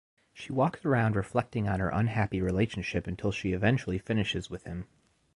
She walks around reflecting on her unhappy relationship until she eventually finishes with him.